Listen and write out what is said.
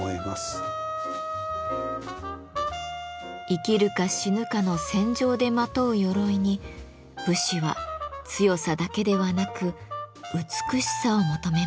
生きるか死ぬかの戦場でまとう鎧に武士は強さだけではなく美しさを求めました。